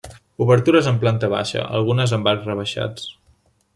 Obertures en planta baixa algunes amb arcs rebaixats.